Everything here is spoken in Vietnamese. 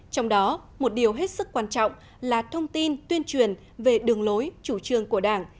trong đó một điều hết sức quan trọng là thông tin tuyên truyền về đường lối chủ trương của đảng